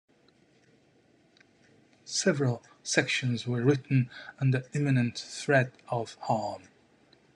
Several sections were written under imminent threat of harm.